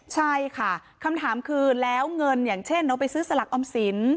ใช่ค่ะคำถามคือแล้วเงินอย่างเช่นเอาไปซื้อสลักออมสิน